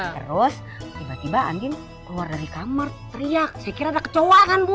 terus tiba tiba andin keluar dari kamar teriak saya kira ada kecoa kan bu